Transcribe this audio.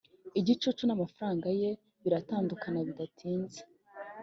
igicucu n'amafaranga ye biratandukana bidatinze.